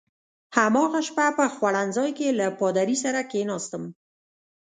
هماغه شپه په خوړنځای کې له پادري سره کېناستم.